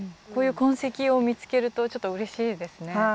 こういう痕跡を見つけるとちょっとうれしいですね。